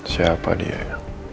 siapa dia ya